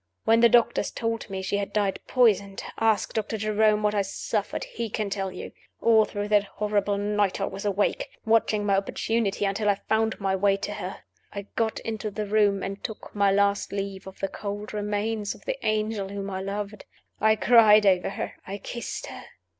When the doctors told me she had died poisoned ask Doctor Jerome what I suffered; he can tell you! All through that horrible night I was awake; watching my opportunity until I found my way to her. I got into the room, and took my last leave of the cold remains of the angel whom I loved. I cried over her. I kissed her.